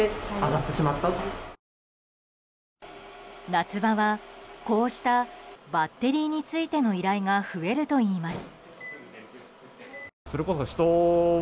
夏場は、こうしたバッテリーについての依頼が増えるといいます。